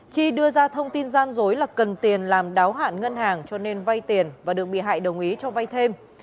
chi đưa ra thông tin gian dối là cần tiền làm đáo hạn ngân hàng cho nên vay tiền và được bị hại đồng ý cho vay thêm